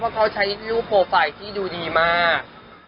เขาใช้รูปโปรไฟล์ที่ดูดีมาก